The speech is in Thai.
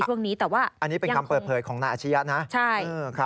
แต่ว่ายังคงใช่แต่ว่ายังต้องรออยู่อันนี้เป็นคำเปิดเผยของนาอาชญะนะ